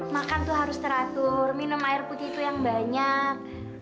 makan tuh harus teratur minum air putih itu yang banyak